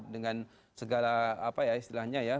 dengan segala apa ya istilahnya ya